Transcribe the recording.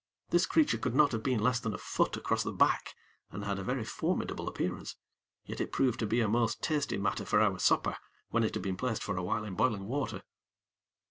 This creature could not have been less than a foot across the back, and had a very formidable appearance; yet it proved to be a most tasty matter for our supper, when it had been placed for a while in boiling water.